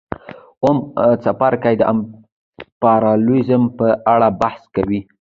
اووم څپرکی د امپریالیزم په اړه بحث کوي